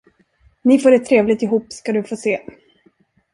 Ni får det trevligt ihop, ska du få se!